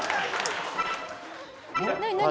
何何？